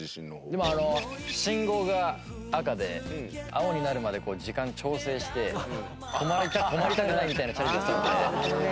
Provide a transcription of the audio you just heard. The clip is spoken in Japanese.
でもあの信号が赤で青になるまで時間調整して止まりたくないみたいなチャレンジやってたので。